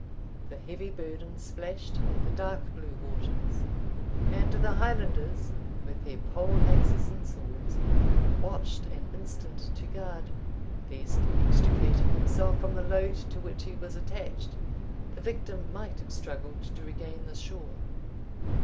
The heavy burden splashed in the dark blue waters, and the Highlanders, with their pole axes and swords, watched an instant to guard, lest, extricating himself from the load to which he was attached, the victim might have struggled to regain the shore.